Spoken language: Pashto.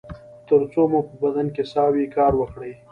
تر څو مو په بدن کې ساه وي کار وکړئ